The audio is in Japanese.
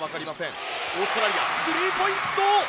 オーストラリアスリーポイント！